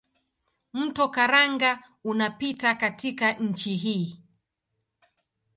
Mto Karanga unapita katika nchi hii.